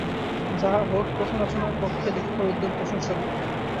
যাহা হউক, প্রথম রচনার পক্ষে লেখিকার উদ্যম প্রশংসনীয়।